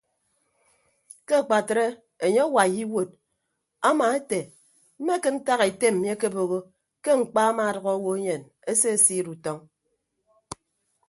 Ke akpatre enye awai iwuod ama ete mmekịd ntak ete mmi akebooho ke mkpa amaadʌk owo enyen esesiid utọñ.